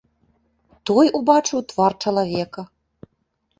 Той убачыў твар чалавека.